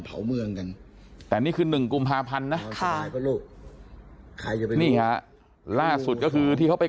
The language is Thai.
เผาเมืองกันแต่นี่คือ๑กุมภาพันธ์นะนี่ฮะล่าสุดก็คือที่เขาไป